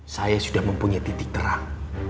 saya sudah mempunyai titik terang